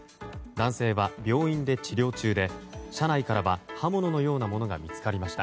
男性は病院で治療中で車内からは刃物のようなものが見つかりました。